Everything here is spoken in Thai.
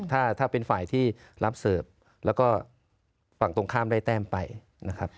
ถ้าเป็นฝ่ายที่รับเสิร์ฟแล้วก็ฝั่งตรงข้ามได้แต้มไปนะครับ